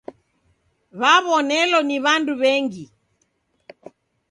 W'aw'onelo ni w'andu w'engi.